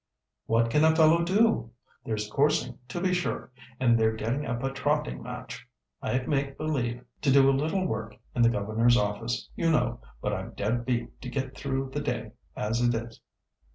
"What can a fellow do? There's coursing, to be sure, and they're getting up a trotting match. I make believe to do a little work in the governor's office, you know, but I'm dead beat to get through the day as it is."